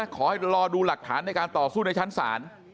ขอให้รอดูหลักฐานในการต่อสู้ในชั้นศาล